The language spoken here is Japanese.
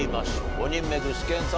５人目具志堅さん